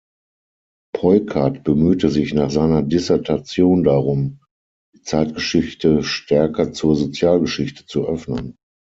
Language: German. Peukert bemühte sich nach seiner Dissertation darum, die Zeitgeschichte stärker zur Sozialgeschichte zu öffnen.